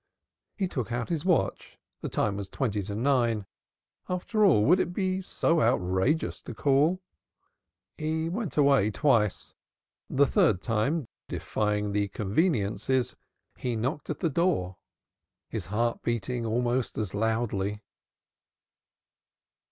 He took out his watch the time was twenty to nine. After all, would it be so outrageous to call? He went away twice. The third time, defying the convenances, he knocked at the door, his heart beating almost as loudly.